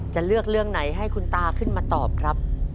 จะเลือกเรื่องไหนให้คุณตาขึ้นมาตอบครับ